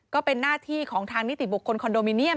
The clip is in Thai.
ก็เป็นหน้าที่ของทางนิติบุคคลคอนโดมิเนียม